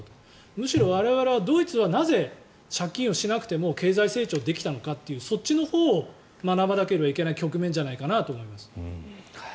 むしろ我々はドイツはなぜ借金をしなくても経済成長できたのかというそっちのほうを学ばなきゃいけない局面じゃないかなと思います。